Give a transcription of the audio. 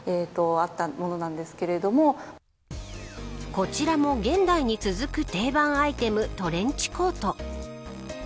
こちらも現代に続く定番アイテムトレンチコート。